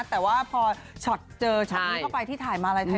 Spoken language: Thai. แต่พอเจอช็อตนี้ก็ไปที่ถ่ายมารัยไทรรัฐ